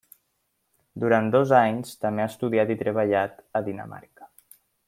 Durant dos anys també ha estudiat i treballat a Dinamarca.